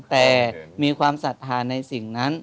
แต่มีความศรัทธาในสิ่งนั้น